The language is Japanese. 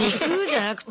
じゃなくて。